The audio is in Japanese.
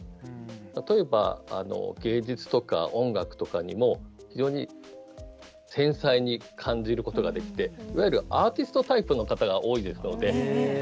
例えば、芸術とか音楽とかにも非常に繊細に感じることができていわゆるアーティストタイプの方が多いです。